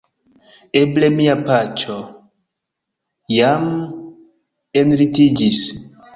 Eble mia paĉjo jam enlitiĝis."